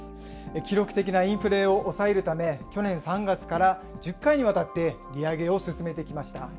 記録的なインフレを抑えるため、去年３月から１０回にわたって利上げを進めてきました。